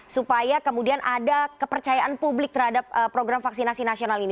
supaya kemudian ada kepercayaan publik terhadap program vaksinasi nasional ini